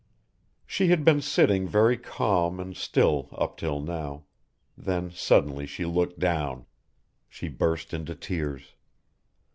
She had been sitting very calm and still up till now, then suddenly she looked down. She burst into tears.